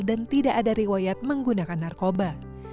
dan tidak ada riwayat menggunakan narkoba